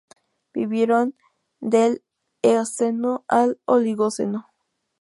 Vivieron del Eoceno al Oligoceno.